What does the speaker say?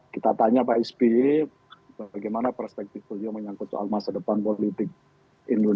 kita tanya pak sby bagaimana perspektif beliau menyangkut soal masa depan politik indonesia